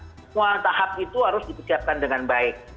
semua tahap itu harus dipersiapkan dengan baik